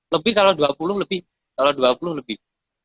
lebih kalau dua puluh lebih kalau dua puluh lebih